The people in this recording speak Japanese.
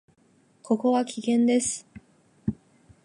ここは危険です。